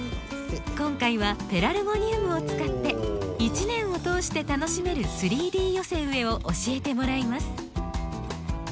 今回はペラルゴニウムを使って一年を通して楽しめる３Ｄ寄せ植えを教えてもらいます。